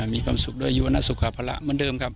มีความสุขด้วยอยู่วรรณสุขภาระเหมือนเดิมครับ